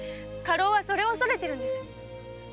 家老はそれを恐れているのです！